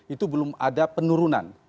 itu belum ada penurunan